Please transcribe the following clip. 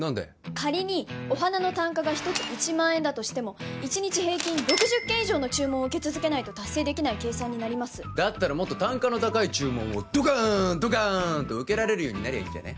仮にお花の単価が１つ１万円だとしても１日平均６０件以上の注文を受け続けないと達成できない計算になりますだったらもっと単価の高い注文をドカーンドカーンと受けられるようになりゃいいんじゃね？